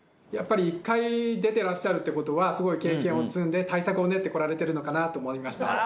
やっぱり１回出てらっしゃるって事はすごい経験を積んで対策を練ってこられてるのかなと思いました。